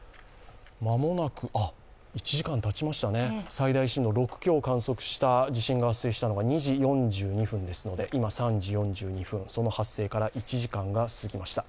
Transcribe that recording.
１時間たちましたね、最大震度６強の地震が発生したのが２時４２分ですので、今、３時４２分、その発生から１時間が過ぎました。